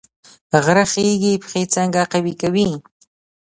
غره خیژي پښې څنګه قوي کوي؟